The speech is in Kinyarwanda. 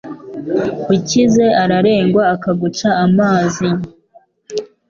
ukize ararengwa akaguca amazi